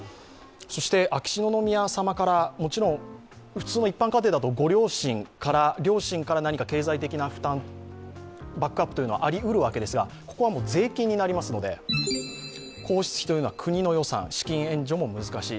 普通の一般家庭だと両親から経済的なバックアップがありうるわけですが、ここは税金になりますので皇室費というのは国の予算、資金援助も難しい。